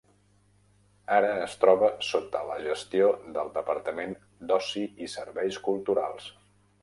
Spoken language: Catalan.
Ara es troba sota la gestió del Departament d"Oci i Serveis Culturals.